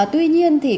tuy nhiên thì